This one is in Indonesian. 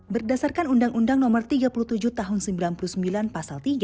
berdasarkan undang undang nomor tiga puluh tujuh tahun seribu sembilan ratus sembilan puluh sembilan pasal tiga